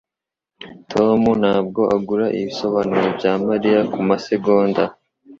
Tom ntabwo agura ibisobanuro bya Mariya kumasegonda.